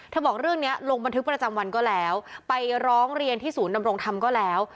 บอกเรื่องนี้ลงบันทึกประจำวันก็แล้วไปร้องเรียนที่ศูนย์ดำรงธรรมก็แล้ว